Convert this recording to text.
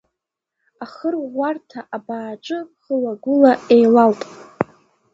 Ахырӷәӷәарҭа абааҿы хылагәыла еилалт…